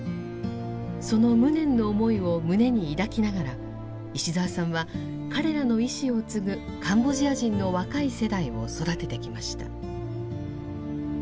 その無念の思いを胸に抱きながら石澤さんは彼らの遺志を継ぐカンボジア人の若い世代を育ててきました。